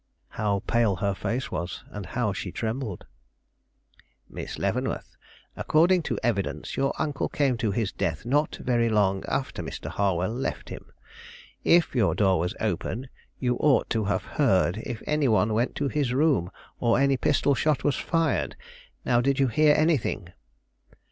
How pale her face was, and how she trembled! "Miss Leavenworth, according to evidence, your uncle came to his death not very long after Mr. Harwell left him. If your door was open, you ought to have heard if any one went to his room, or any pistol shot was fired. Now, did you hear anything?"